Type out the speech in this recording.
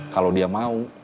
kalau dia mau